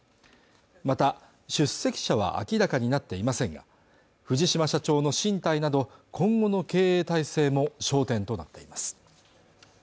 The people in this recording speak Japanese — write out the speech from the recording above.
また出席者は明らかになっていませんが藤島社長の進退など今後の経営体制も焦点となっています